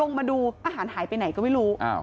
มาดูอาหารหายไปไหนก็ไม่รู้